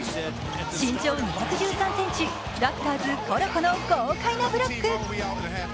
身長２１３ｃｍ、ラプターズ・コロコの豪快なブロック。